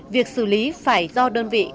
việc xử lý phải do đơn vị thải